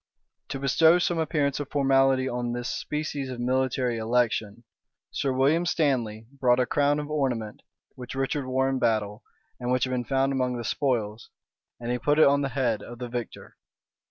To bestow some appearance of formality on this species of military election, Sir William Stanley brought a crown of ornament, which Richard wore in battle, and which had been found among the spoils; and he put it on the head of the victor.